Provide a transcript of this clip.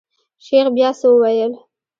شيخ بيا څه وويل.